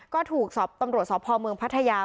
ก็ถูกตำรวจสพเมืองพัทยา